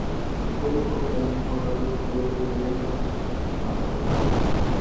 Discurre por un cañón con rápidos cubierto de densa masa forestal.